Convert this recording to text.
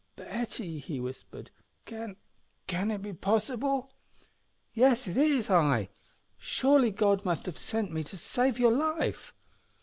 "Betty!" he whispered; "can can it be possible?" "Yes, it is I! Surely God must have sent me to save your life!"